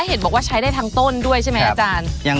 เห็นบอกว่าใช้ได้ทั้งต้นด้วยใช่ไหมอาจารย์